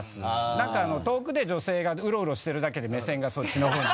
なんか遠くで女性がうろうろしてるだけで目線がそっちの方に。